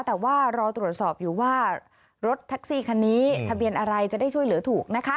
แต่ว่ารอตรวจสอบอยู่ว่ารถแท็กซี่คันนี้ทะเบียนอะไรจะได้ช่วยเหลือถูกนะคะ